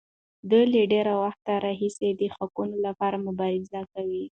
دوی له ډېر وخت راهیسې د حقونو لپاره مبارزه کوي.